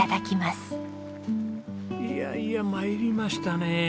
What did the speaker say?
いやいや参りましたね。